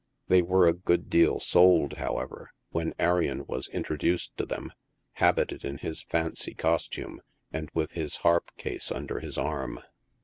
They were a good deal sold, however, when Arion was introduced to them, habited in his fancy costume, and with his harp case under his arm.